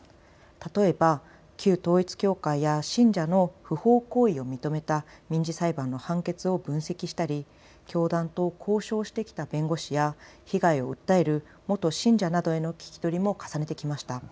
例えば旧統一教会や信者の不法行為を認めた民事裁判の判決を分析したり教団と交渉してきた弁護士や被害を訴える元信者などへの聞き取りも重ねてきました。